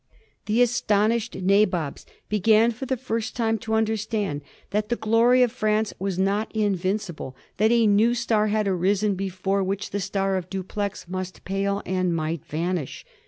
The astonished Nabobs began for the first time to understand that the glory of France was not invincible, that a new star had arisen before which the star of Dupleix must pale, and might vanish.